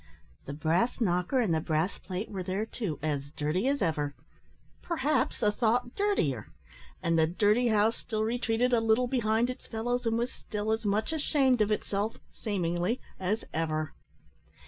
The brass knocker and the brass plate were there too, as dirty as ever perhaps a thought dirtier and the dirty house still retreated a little behind its fellows, and was still as much ashamed of itself seemingly as ever.